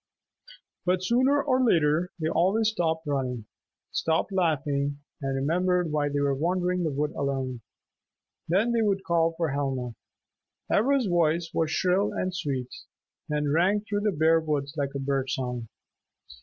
But sooner or later they always stopped running, stopped laughing, and remembered why they were wandering the wood alone. Then they would call for Helma. Ivra's voice was shrill and sweet, and rang through the bare woods like a birdsong.